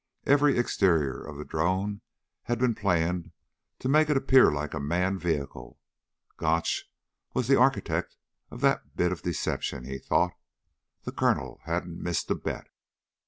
Every exterior of the drone had been planned to make it appear like a manned vehicle. Gotch was the architect of that bit of deception, he thought. The Colonel hadn't missed a bet.